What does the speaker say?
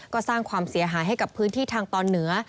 ก็สร้างความเสียหายให้กับพื้นที่ทางตอนเหนือ